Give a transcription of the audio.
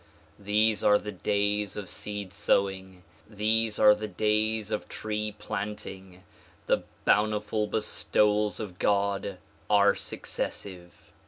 These are the days of seed sowing. These are the days of tree planting. The bountiful bestowals of God are successive.